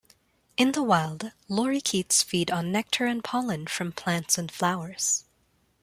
In the wild, lorikeets feed on nectar and pollen from plants and flowers.